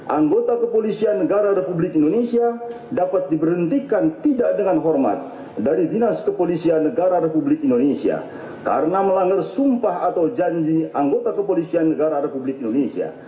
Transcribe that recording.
anggota kepolisian negara republik indonesia dapat diberhentikan tidak dengan hormat dari dinas kepolisian negara republik indonesia karena melanggar sumpah atau janji anggota kepolisian negara republik indonesia